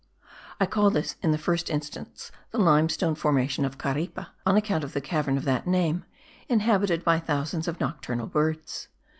I call this in the first instance the limestone formation of Caripe, on account of the cavern of that name, inhabited by thousands of nocturnal birds.